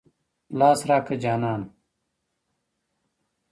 لاس راکه جانانه.